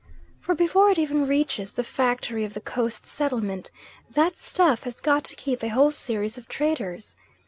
For before it even reaches the factory of the Coast Settlement, that stuff has got to keep a whole series of traders.